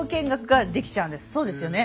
そうですよね？